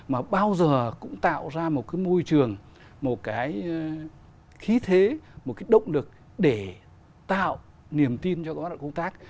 mà bao giờ cũng tạo ra một cái môi trường một cái khí thế một cái động lực để tạo niềm tin cho các đoàn công tác